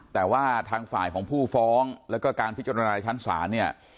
แต่ว่าทางฝ่ายของผู้ฟ้องแล้วก็การพิจารณาชั้นศาลเนี่ย